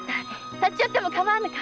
立ち寄ってもかまわぬか？